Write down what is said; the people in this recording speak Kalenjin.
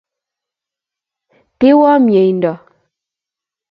Tewo mieindo.